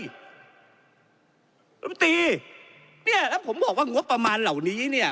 ลำตีเนี่ยแล้วผมบอกว่างบประมาณเหล่านี้เนี่ย